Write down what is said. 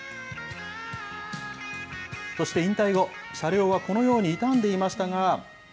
そして、引退後、車両はこのように傷んでいましたが。